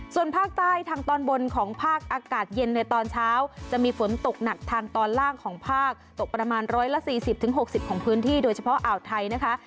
ส่วนภาคใต้ทางตอนบนของภาคอากาศเย็นในตอนเช้าจะมีฝนตกหนักทางตอนล่างของภาคตกประมาณ๑๔๐๖๐ของพื้นที่โดยเฉพาะอ่าวไทยนะคะ